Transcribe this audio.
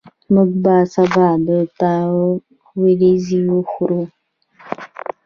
موږ به سبا د تا وریځي وخورو